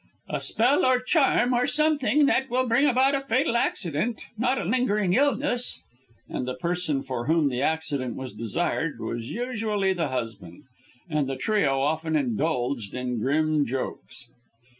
"A spell, or charm, or something, that will bring about a fatal accident not a lingering illness" and the person for whom the accident was desired, was usually the husband. And the trio often indulged in grim jokes.